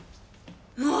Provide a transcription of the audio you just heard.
もう！